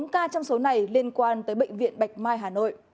bốn ca trong số này liên quan tới bệnh viện bạch mai hà nội